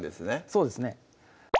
そうですね